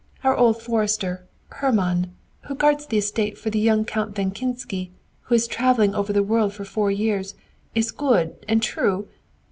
"Our old forester, Hermann, who guards the estate for the young Count von Kinsky, who is travelling over the world for four years, is good and true.